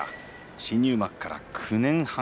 新入幕から９年半。